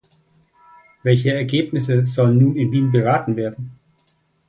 Welche Ergebnisse sollen nun in Wien beraten werden?